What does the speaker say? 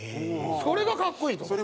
それがかっこいいと思った。